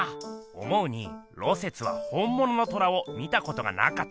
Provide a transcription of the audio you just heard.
思うに芦雪は本ものの虎を見たことがなかった！